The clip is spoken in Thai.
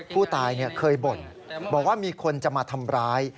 ผู้ตายเคยบ่นบอกว่ามีคนจะมาทำร้าย